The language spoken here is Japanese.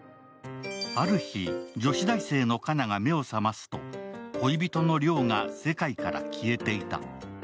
ある日、女子大生の佳奈が目を覚ますと、恋人の亮が世界から消えていた。